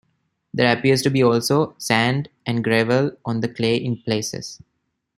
There appears to be also, sand and gravel on the clay in places.